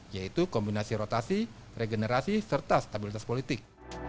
yaitu kombinasi rotasi regenerasi serta stabilitas politik